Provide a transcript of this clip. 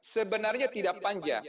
sebenarnya tidak panjang